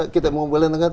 kita mau beli negara